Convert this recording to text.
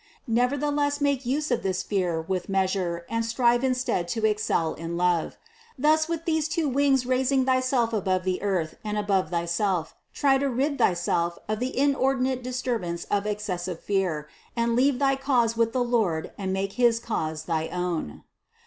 Nevertheless make use of this fear with measure and strive instead to excel in love. Thus with these two wings raising thyself above the earth and above thyself, try to rid thyself of the inordinate dis turbance of excessive fear, and leave thy cause with the Lord and make his cause thy own.